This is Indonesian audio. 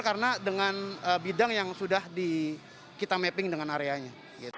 karena dengan bidang yang sudah kita mapping dengan areanya